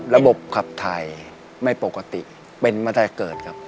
ระบบขับถ่ายไม่ปกติเป็นมาตั้งแต่เกิดครับ